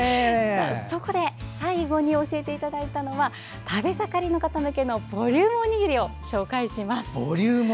そこで最後に教えていただいたのは食べ盛りの方向けのボリュームおにぎりを紹介します。